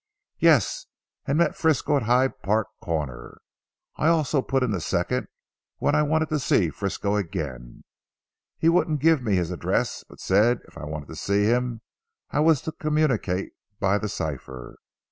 "Yes. And met Frisco at Hyde Park Corner. I also put in the second when I wanted to see Frisco again. He wouldn't give me his address, but said if I wanted to see him I was to communicate by the cipher.